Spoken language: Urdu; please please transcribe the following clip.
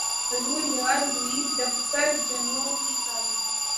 حضور یار ہوئی دفتر جنوں کی طلب